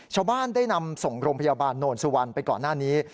ชาวบ้านได้นำส่งโรงพยาบาลโนนสุวรรณไปก่อนหน้านี้